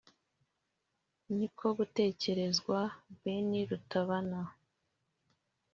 niko gutekerezwa Ben Rutabana